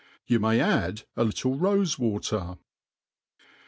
You may add a little rofe water.